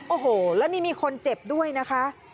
โอ้โหแล้วนี่มีคนเจ็บด้วยนะคะ